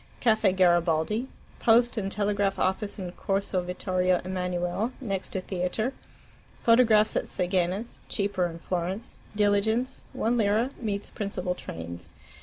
* Caffe Garibaldi. Post and Telegraph office in Corso Vittorio Emmanuele, next to theatre. Photographs at Seghena's (cheaper in Florence). Diligence (1 lira) meets principal trains.